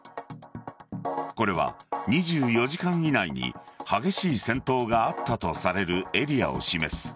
これは２４時間以内に激しい戦闘があったとされるエリアを示す。